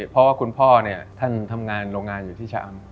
เพราะว่าคุณพ่อเนี่ยท่านทำงานโรงงานอยู่ที่ชะอำ